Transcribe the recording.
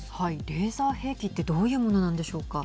レーザー兵器ってどういうものなんでしょうか。